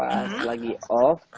kalau pas lagi off